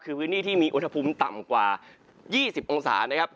คือพื้นที่ที่มีอุณหภูมิต่ำกว่า๒๐องศานะครับ